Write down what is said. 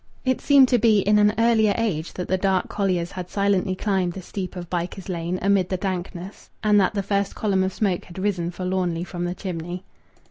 It seemed to be in an earlier age that the dark colliers had silently climbed the steep of Bycars Lane amid the dankness and that the first column of smoke had risen forlornly from the chimney.